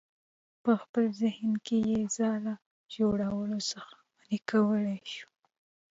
په خپل ذهن کې یې له ځالې جوړولو څخه منع کولی شو.